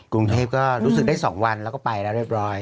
กรุงเทพก็รู้สึกได้๒วันแล้วก็ไปแล้วเรียบร้อย